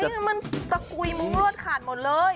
อิงมันป่ากุยมุ้งรวดขาดหมดเลย